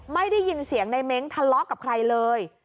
ไม่ได้ยินเสียงในเม้งทะเลาะกับใครเลย